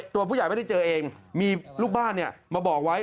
ตัวผู้ใหญ่ไม่ได้เจอเองมีลูกบ้านมาบอกไว้